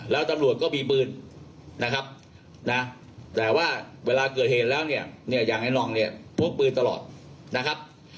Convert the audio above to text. แล้วตำรวจก็มีปืนนะครับนะแต่ว่าเวลาเกิดเหตุแล้วเนี่ยอย่างไอ้น่องเนี่ยพกปืนตลอดนะครับ